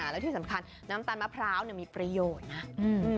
แล้วที่สำคัญน้ำตาลมะพร้าวมีประโยชน์นะ